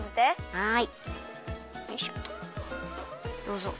はい。